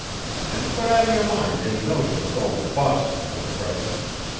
An' put out of your mind any notion of goin' to Boston for the present.